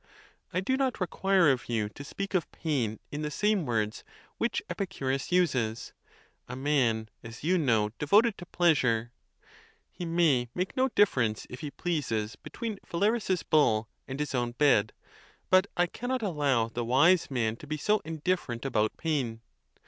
I do not require of you to speak of pain in the same words which Epicurus uses—a man, as you know, devoted to pleasure: he may make no difference, if he pleases, between Phalaris's bull ,and his own bed; but I cannot allow the wise man to be so indif ferent about pain.